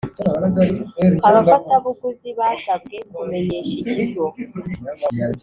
abafatabuguzi basabwe kumenyesha ikigo